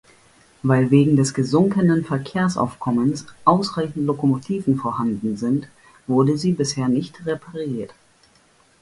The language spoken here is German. Weil wegen des gesunkenen Verkehrsaufkommens ausreichend Lokomotiven vorhanden sind, wurde sie bisher nicht repariert.